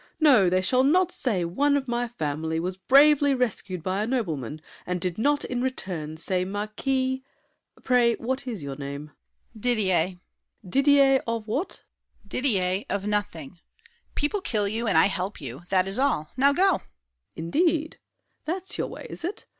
No, They shall not say one of my family Was bravely rescued by a nobleman And did not in return say "Marquis—" Pray, What is your name? DIDIER. Didier. SAVERNY. Didier—of what? DIDIER. Didier, of nothing! People kill you, and I help you—that is all! Now go! SAVERNY. Indeed! That's your way, is it?